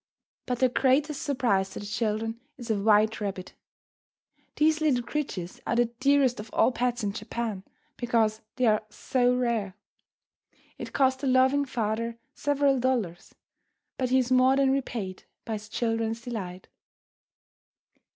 But the greatest surprise to the children is a white rabbit. These little creatures are the dearest of all pets in Japan, because they are so rare. It cost the loving father several dollars, but he is more than repaid by his children's delight.